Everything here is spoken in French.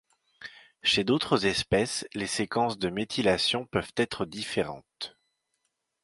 Chez d'autres espèces, les séquences de méthylation peuvent être différentes.